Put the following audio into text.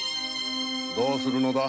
どうするのだ？